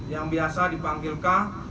yang biasa dipanggil k